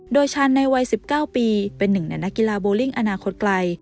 โดยชันในวัย๑๙ปีเป็นหนึ่งในนักกีฬาโบลิ่งอนาคตไกล